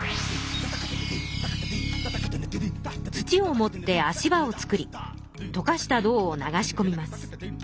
土をもって足場を作りとかした銅を流し込みます。